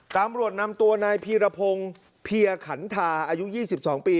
ตำรวจนำตัวนายพีรพงศ์เพียขันทาอายุ๒๒ปี